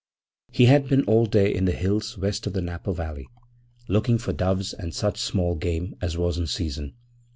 He had been all day in the hills west of the Napa Valley, looking for doves and such small game as was in season.